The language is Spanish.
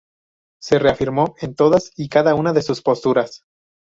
se reafirmó en todas y cada una de sus posturas